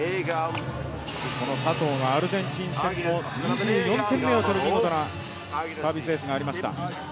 佐藤がアルゼンチン戦を２４点目を取る見事なサービスエースがありました。